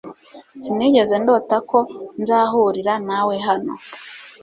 Sinigeze ndota ko nzahurira nawe hano.